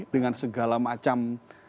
dengan segala macam